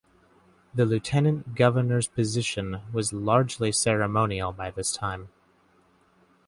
The lieutenant governor's position was largely ceremonial by this time.